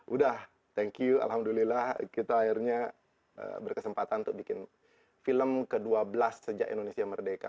udah thank you alhamdulillah kita akhirnya berkesempatan untuk bikin film ke dua belas sejak indonesia merdeka